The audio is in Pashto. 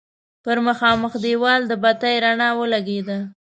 پر مخامخ دېوال د بتۍ رڼا ولګېده.